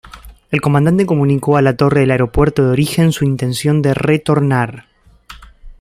El comandante comunicó a la torre del aeropuerto de origen su intención de retornar.